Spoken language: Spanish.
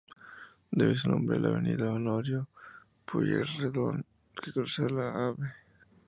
Debe su nombre a la Avenida Honorio Pueyrredón, que cruza la Av.